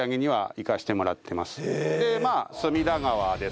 まあ隅田川ですかね